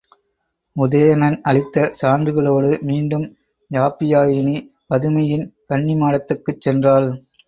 உதயணன் அளித்த சான்றுகளோடு மீண்டும் யாப்பியாயினி பதுமையின் கன்னிமாடத்துக்குச் சென்றாள்.